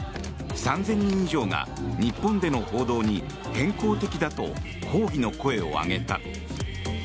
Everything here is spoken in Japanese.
３０００人以上が日本での報道に偏向的だと抗議の声を上げた。